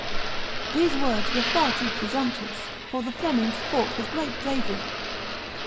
These words were far too presumptuous; for the Flemings fought with great bravery.